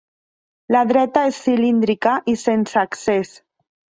La dreta és cilíndrica i sense accés.